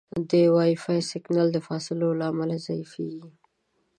د وائی فای سګنل د فاصلو له امله ضعیفېږي.